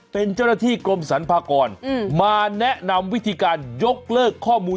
เป็นเจ้าหน้าที่กรมสรรพากรมาแนะนำวิธีการยกเลิกข้อมูล